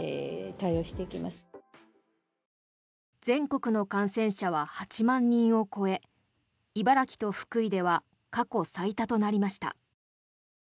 全国の感染者は８万人を超え茨城と福井では過去最多となりました。